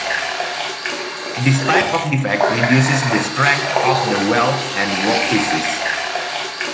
This type of defect reduces the strength of the weld and workpieces.